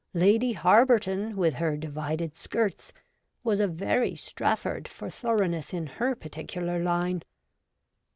Lady Harberton, with her 'divided skirts,' was a very Strafford for thoroughness in her particular line.